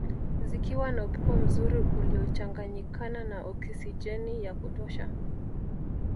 Zikiwa na upepo mzuri uliochanganyikana na okisijeni ya kutosha